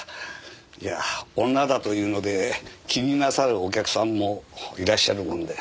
いや女だというので気になさるお客さんもいらっしゃるもんで。